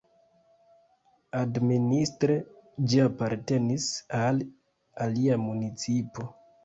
Administre ĝi apartenis al alia municipo.